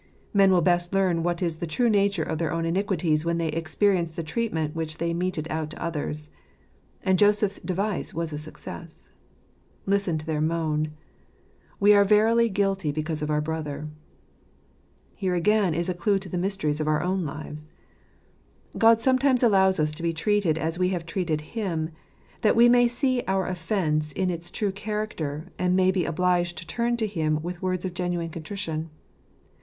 Men will best learn what is the true nature of their own iniquities when they experience the treatment which they meted out to others. And Joseph's device was a success. Listen to their moan, "We are verily guilty because of our brother." Here again is a clue to the mysteries of our own lives. God sometimes allows us to be treated as we have treated Him, that we may see our offence in its true character, and may be obliged to turn to Him with words of genuine contrition.